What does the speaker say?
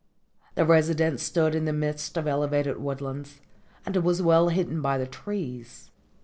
The residence stood in the midst of elevated woodlands, and was well hidden by the trees.